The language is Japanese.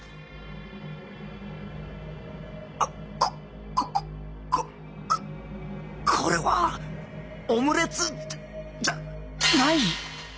あっこここれはオムレツじゃない！